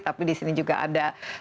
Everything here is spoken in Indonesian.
tapi disini juga ada